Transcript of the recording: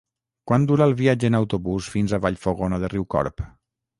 Quant dura el viatge en autobús fins a Vallfogona de Riucorb?